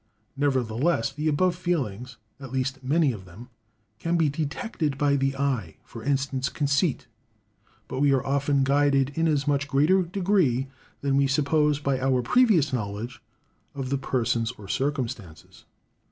Nevertheless, the above feelings—at least many of them—can be detected by the eye; for instance, conceit; but we are often guided in a much greater degree than we suppose by our previous knowledge of the persons or circumstances.